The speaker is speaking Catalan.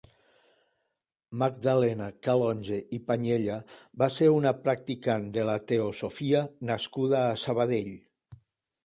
Magdalena Calonge i Panyella va ser una practicant de la teosofia nascuda a Sabadell.